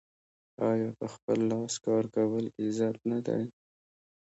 آیا په خپل لاس کار کول عزت نه دی؟